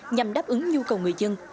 nhằm đáp ứng nhu cầu người dân